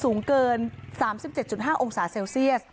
สูงเกิน๓๗๕องศาเซลเซียส